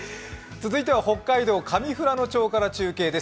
続いては北海道・上富良野町から中継です。